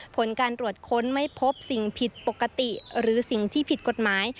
ผลการตรวจค้นไม่พบสิ่งผิดปกติหรือสิ่งที่ผิดกฎหมาย